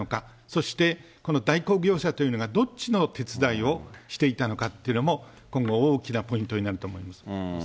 そして、この代行業者というのがどっちの手伝いをしていたのかっていうのも、今後、大きなポイントになると思います。